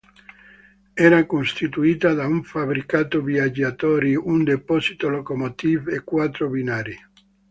Era costituita da un fabbricato viaggiatori, un deposito locomotive e quattro binari.